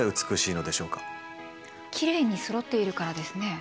きれいにそろっているからですね。